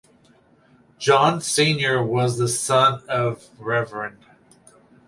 John Snr was the son of Rev.